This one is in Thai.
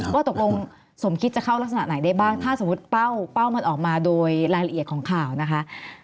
ว่าตกลงสมคิดจะเข้ารักษณะไหนได้บ้างถ้าสมมุติเป้ามันออกมาโดยรายละเอียดของข่าวนะคะ